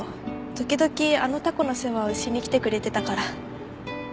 時々あのタコの世話をしに来てくれてたから。